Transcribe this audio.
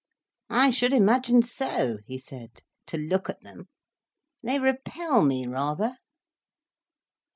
"I should imagine so," he said, "to look at them. They repel me, rather."